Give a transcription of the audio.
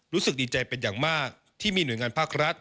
รู้สึกดีใจเป็นอย่างมากที่มีหน่วยงานภาครัฐ